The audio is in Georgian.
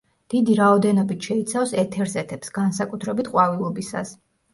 დიდი რაოდენობით შეიცავს ეთერზეთებს, განსაკუთრებით ყვავილობისას.